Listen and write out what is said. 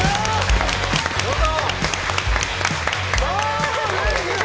どうぞ！